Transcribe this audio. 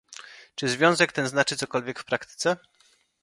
Czy związek ten znaczy cokolwiek w praktyce?